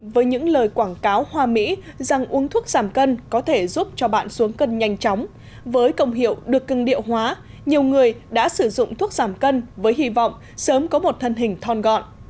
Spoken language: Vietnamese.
với những lời quảng cáo hoa mỹ rằng uống thuốc giảm cân có thể giúp cho bạn xuống cân nhanh chóng với công hiệu được cưng điệu hóa nhiều người đã sử dụng thuốc giảm cân với hy vọng sớm có một thân hình thon gọn